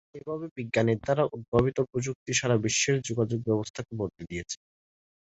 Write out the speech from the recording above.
এভাবে বিজ্ঞানের দ্বারা উদ্ভাবিত প্রযুক্তি সারা বিশ্বের যোগাযোগ ব্যবস্থাকে বদলে দিয়েছে।